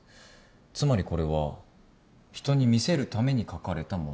つまりこれは人に見せるために書かれたもの。